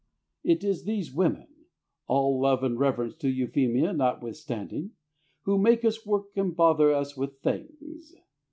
It is these women all love and reverence to Euphemia notwithstanding who make us work and bother us with Things.